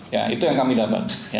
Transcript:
ya itu yang kami dapat